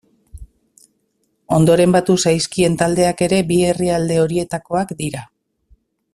Ondoren batu zaizkien taldeak ere bi herrialde horietakoak dira.